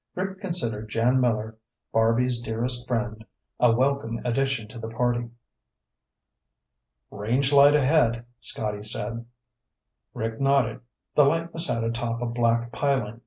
Rick considered Jan Miller, Barby's dearest friend, a welcome addition to the party. "Range light ahead," Scotty said. Rick nodded. The light was set atop a black piling.